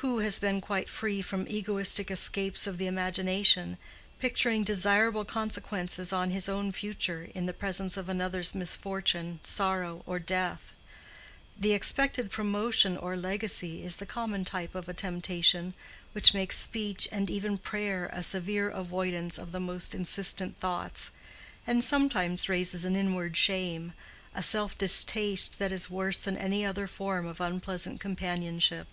Who has been quite free from egoistic escapes of the imagination, picturing desirable consequences on his own future in the presence of another's misfortune, sorrow, or death? The expected promotion or legacy is the common type of a temptation which makes speech and even prayer a severe avoidance of the most insistent thoughts, and sometimes raises an inward shame, a self distaste that is worse than any other form of unpleasant companionship.